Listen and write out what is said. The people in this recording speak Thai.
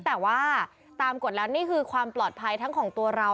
แต่ว่าตามกฎแล้วนี่คือความปลอดภัยทั้งของตัวเรา